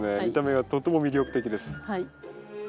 見た目がとっても魅力的です。